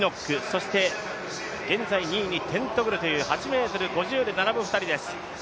そして現在２位にテントグルという８ｍ５０で並ぶ２人です。